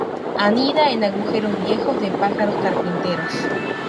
Anida en agujeros viejos de pájaros carpinteros.